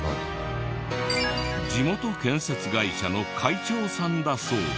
地元建設会社の会長さんだそうで。